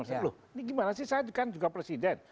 ini gimana sih saya kan juga presiden